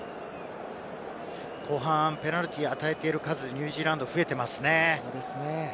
後半ペナルティー与えている数、ニュージーランド増えていますね。